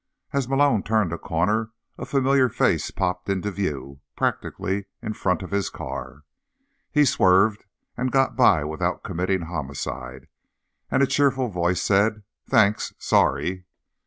As Malone turned a corner, a familiar face popped into view, practically in front of his car. He swerved and got by without committing homicide, and a cheerful voice said: "Thanks, sorry."